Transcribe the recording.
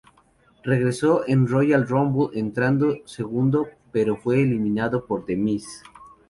Regreso en Royal Rumble entrando segundo, pero fue eliminado por The Miz.